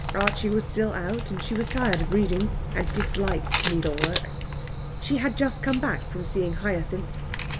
Archie was still out, and she was tired of reading, and disliked needlework. She had just come back from seeing Hyacinth.